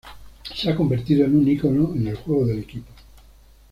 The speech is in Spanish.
Se ha convertido en un icono en el juego del equipo.